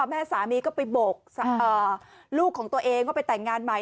แม่สามีก็ไปโบกลูกของตัวเองว่าไปแต่งงานใหม่